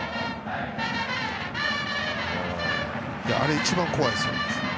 あれ、一番怖いですよ。